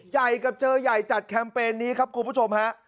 ใหญ่กับเจอใหญ่จัดแคมเปญนี้ครับคุณผู้ชมฮะ